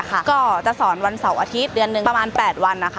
ก็จะสอนวันเสาร์อาทิตย์เดือนหนึ่งประมาณ๘วันนะคะ